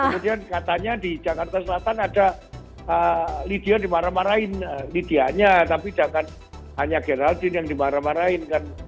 kemudian katanya di jakarta selatan ada lydia dimarah marahin lydia nya tapi jangan hanya geraldine yang dimarah marahin kan